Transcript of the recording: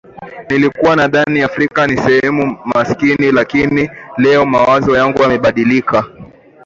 Nilikuwa nadhani Afrika ni sehemu maskini lakini leo mawazo yangu yamebadilika